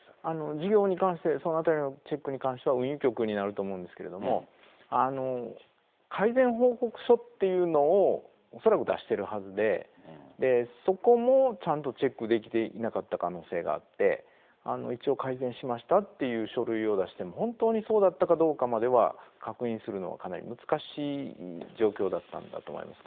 事業に関して、そのあたりのチェックに関しては、運輸局になると思うんですけれども、改善報告書というのを恐らく出しているはずで、そこもちゃんとチェックできていなかった可能性があって、一応改善しましたっていう書類を出しても、本当にそうだったかどうかまでは、確認するのはかなり難しい状況だったんだと思います。